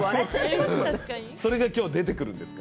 それが今日、出てくるんですか？